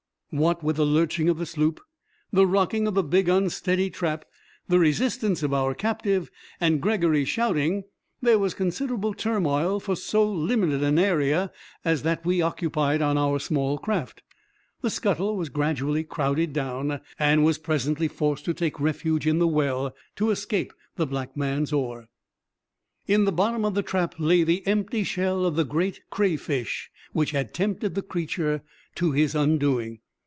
What with the lurching of the sloop, the rocking of the big unsteady trap, the resistance of our captive, and Gregory's shouting, there was considerable turmoil for so limited an area as that we occupied on our small craft. The scuttle was gradually crowded down, and was presently forced to take refuge in the well to escape the black man's oar. In the bottom of the trap lay the empty shell of the great crayfish which had tempted the creature to his undoing.